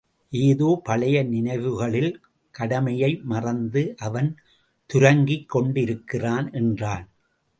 ஏதோ பழைய நினைவுகளில் கடமையை மறந்து அவன் துரங்கிக் கொண்டிருக்கிறான் என்றான்.